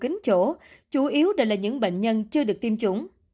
trong những chỗ chủ yếu đều là những bệnh nhân chưa được tiêm chủng